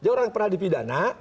orang yang pernah dipidana